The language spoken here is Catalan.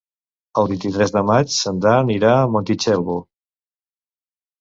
El vint-i-tres de maig en Dan irà a Montitxelvo.